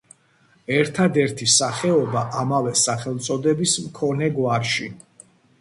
ერთადერთი სახეობა ამავე სახელწოდების მქონე გვარში.